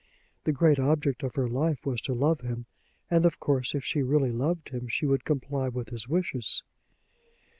The great object of her life was to love him; and, of course, if she really loved him, she would comply with his wishes.